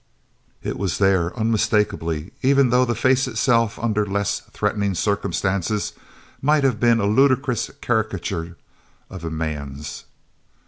It was there unmistakably, even though the face itself, under less threatening circumstances, might have been a ludicrous caricature of a man's.